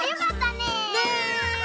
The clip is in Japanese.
ねえ。